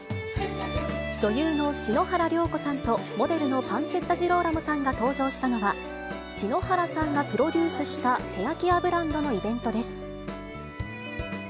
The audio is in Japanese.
女優の篠原涼子さんと、モデルのパンツェッタ・ジローラモさんが登場したのは、篠原さんがプロデュースした、ヘアケアブランドのイベントです。